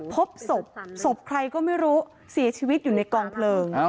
พบศพศพใครก็ไม่รู้เสียชีวิตอยู่ในกองเพลิง